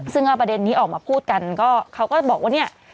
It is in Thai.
ซึ่งเอาประเด็นนี้ออกมาพูดกันก็เขาก็บอกว่าเนี่ย